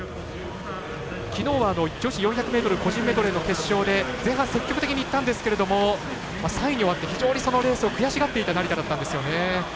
きのうは女子４００ｍ個人メドレーの決勝で前半積極的にいったんですけども３位に終わって非常にそのレースを悔しがっていた成田だったんですよね。